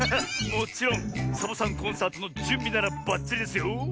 もちろんサボさんコンサートのじゅんびならばっちりですよ。